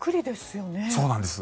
そうなんです。